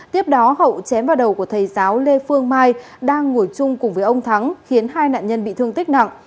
tiếp đó hậu chém vào đầu của thầy giáo lê phương mai đang ngồi chung cùng với ông thắng khiến hai nạn nhân bị thương tích nặng